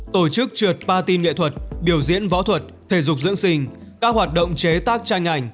tổ chức trượt ba tin nghệ thuật biểu diễn võ thuật thể dục dưỡng sinh các hoạt động chế tác tranh ảnh